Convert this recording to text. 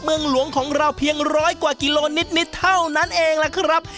เมืองหลวงของเราเพียงร้อยกว่ากิโลนิดเท่านั้นเองล่ะครับ